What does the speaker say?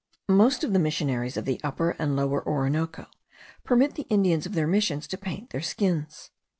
Most of the missionaries of the Upper and Lower Orinoco permit the Indians of their Missions to paint their skins.